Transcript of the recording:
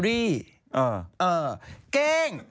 เงี้ยง